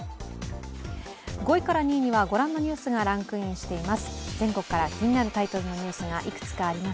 ５位から２位にはご覧のニュースがランクインしています。